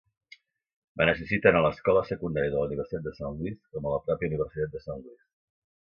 Va assistir tant a l'escola secundària de la Universitat de Saint Louis com a la pròpia Universitat de Saint Louis.